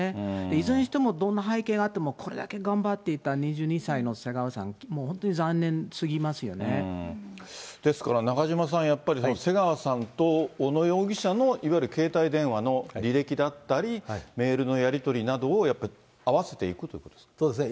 いずれにしても、どんな背景があってもこれだけ頑張っていた２２歳の瀬川さん、ですから、中島さん、やっぱり瀬川さんと小野容疑者のいわゆる携帯電話の履歴だったり、メールのやり取りなどをやっぱり合わせていくということですか。